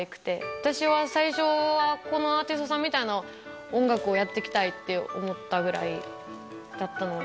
私は最初はこのアーティストさんみたいな音楽をやっていきたいって思ったぐらいだったので。